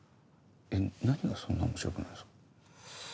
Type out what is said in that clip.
何がそんな面白くないですか？